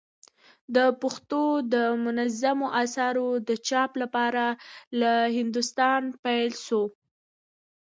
د پښتو دمنظومو آثارو د چاپ کار له هندوستانه پيل سو.